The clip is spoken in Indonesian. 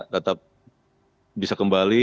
tetap bisa kembali